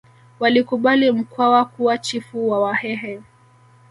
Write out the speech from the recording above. walikubali Mkwawa kuwa chifu wa wahehe